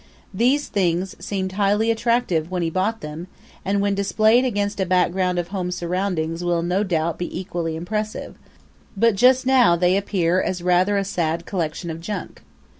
These things seemed highly attractive when he bought them, and when displayed against a background of home surroundings will, no doubt, be equally impressive; but just now they appear as rather a sad collection of junk.